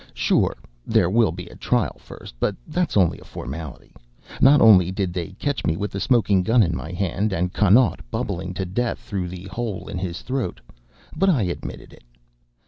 Sure, there will be a trial first, but that is only a formality. Not only did they catch me with the smoking gun in my hand and Connaught bubbling to death through the hole in his throat, but I admitted it.